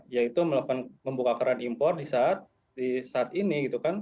yaitu melakukan membuka keran impor di saat ini gitu kan